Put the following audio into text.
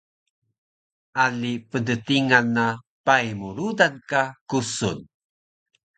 Ali pnttingan na pai mu rudan ka kusun